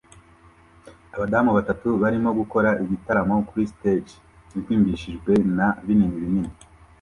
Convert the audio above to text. Abadamu batatu barimo gukora igitaramo kuri stage irimbishijwe na binini binini